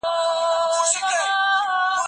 کتاب لوستل د ذهن ورزش دی.